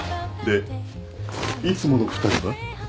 でいつもの２人は？